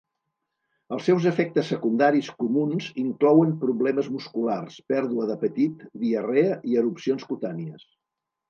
Els seus efectes secundaris comuns inclouen problemes musculars, pèrdua d'apetit, diarrea, i erupcions cutànies.